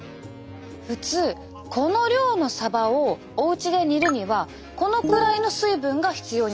普通この量のサバをおうちで煮るにはこのくらいの水分が必要になります。